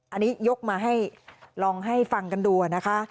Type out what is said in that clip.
อันนี้ยกมาให้ลองให้ฟังกันดูนะคะ